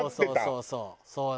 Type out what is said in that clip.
そうそうそうそう。